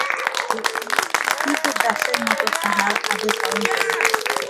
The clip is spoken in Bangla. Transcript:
প্রকৃতির সব শক্তিই ক্রীতদাসের মত তাঁহার আদেশ পালন করে।